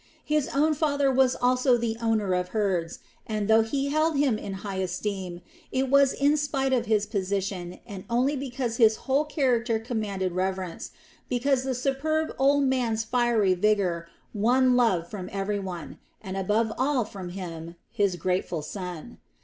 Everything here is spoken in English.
His own father was also the owner of herds and, though he held him in high esteem, it was in spite of his position and only because his whole character commanded reverence; because the superb old man's fiery vigor won love from every one, and above all from him, his grateful son.